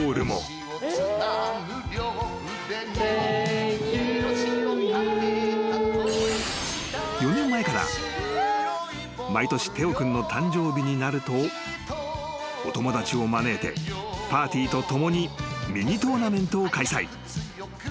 「トゥユー」［４年前から毎年テオ君の誕生日になるとお友達を招いてパーティーと共にミニトーナメントを開催］